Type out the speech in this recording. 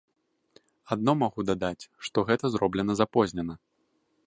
Адно магу дадаць, што гэта зроблена запознена.